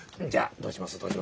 どうします？